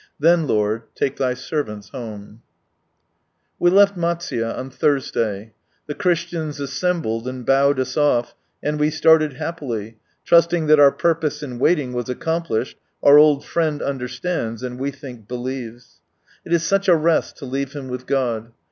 Then, Lord, lake Thy servanls home." We left Matsuye on Thursday. The Christians assembled and bowed us off, and we started happily, trusting that our purpose in waiting was accomplished, our old friend understands, and we think believes. It is such a rest to leave him with God.